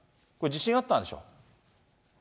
これ、自信あったんでしょ？